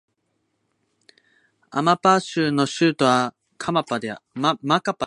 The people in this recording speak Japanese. アマパー州の州都はマカパである